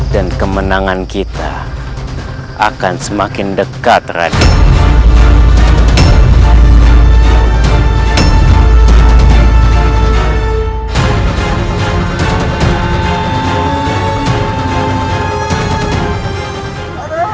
dan kemenangan kita akan semakin dekat raditya